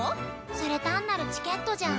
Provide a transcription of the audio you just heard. それ単なるチケットじゃん。